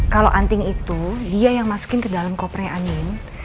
kalau anting itu dia yang masukin ke dalam kopre angin